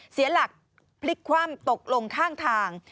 เสียหลักพลิกคว่ำตกลงข้างทาง